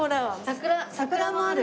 桜桜もある。